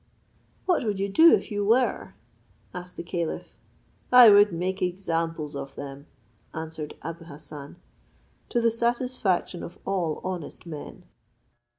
"What would you do if you were?" said the caliph. "I would make examples of them," answered Abou Hassan, "to the satisfaction of all honest men.